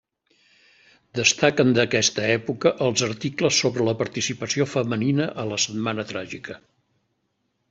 Destaquen d'aquesta època els articles sobre la participació femenina a la Setmana Tràgica.